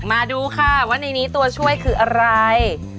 มาดูข้าวันนี้ตัวช่วยคืออะไร